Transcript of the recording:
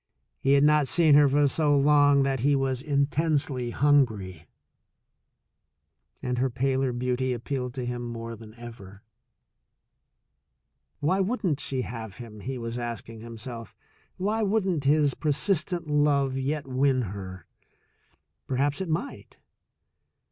He had not seen her for so long that he was intensely hungry, and her paler beauty appealed to him more than ever. Why wouldn't she have him ? he was ask ing himself. Why wouldn't his persistent love yet win her? Perhaps it might.